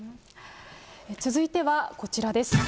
続いてはこちらです。